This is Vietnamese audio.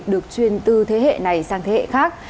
được truyền từ thế hệ này sang thế hệ khác